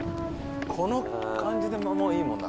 この感じでもういいもんな